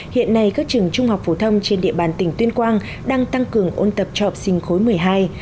hiện nay các trường trung học phổ thông trên địa bàn tỉnh tuyên quang đang tăng cường ôn tập cho học sinh khối một mươi hai